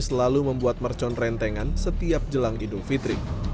selalu membuat mercon rentengan setiap jelang idul fitri